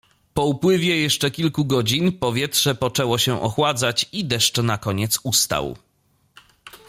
Po upływie jeszcze kilku godzin powietrze poczęło się ochładzać i deszcz nakoniec ustał.